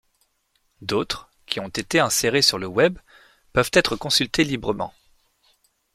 D’autres, qui ont été insérés sur le Web, peuvent être consultés librement.